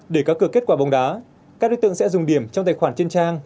để có cửa kết quả bóng đá các đối tượng sẽ dùng điểm trong tài khoản trên trang